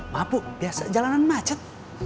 mapu biasa jalanan macet